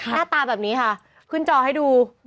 หน้าตาแบบนี้ค่ะขึ้นจอให้ดู